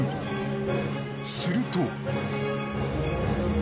［すると］